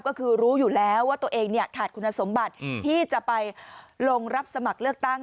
ก็คือรู้อยู่แล้วว่าตัวเองขาดคุณสมบัติที่จะไปลงรับสมัครเลือกตั้ง